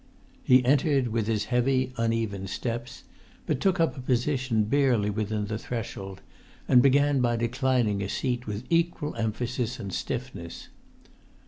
He entered with his heavy, uneven steps, but took up a position barely within the threshold, and began by declining a seat with equal emphasis and stiffness.